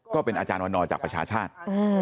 ก็เป็นอาจารย์วันนอจากประชาชาติ